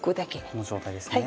この状態ですね。